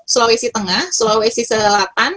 sulawesi tengah sulawesi selatan